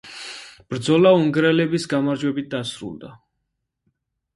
ბრძოლა უნგრელების გამარჯვებით დასრულდა.